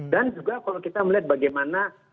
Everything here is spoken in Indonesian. dan juga kalau kita melihat bagaimana ekonomi